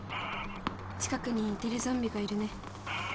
近くにテレゾンビがいるね。